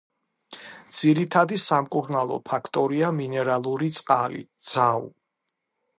ძირითადი სამკურნალო ფაქტორია მინერალური წყალი „ძაუ“.